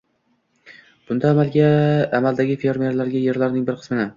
Bunda amaldagi fermerlarga yerlarining bir qismini